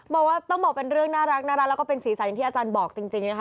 บอกว่าต้องบอกเป็นเรื่องน่ารักแล้วก็เป็นสีสันอย่างที่อาจารย์บอกจริงนะคะ